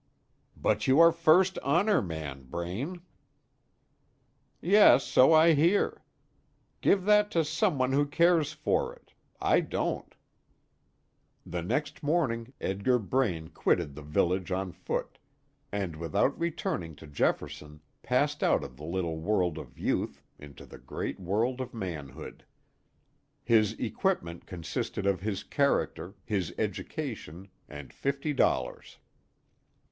"But you are first honor man, Braine!" "Yes, so I hear. Give that to some one who cares for it. I don't." The next morning Edgar Braine quitted the village on foot, and without returning to Jefferson, passed out of the little world of youth into the great world of manhood. His equipment consisted of his character, his education, and fifty dollars.